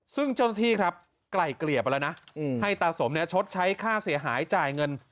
ซึ่งจนที่ครับไกลเกลียบไปแล้วนะอืมให้ตาสมเนี้ยชดใช้ค่าเสียหายจ่ายเงิน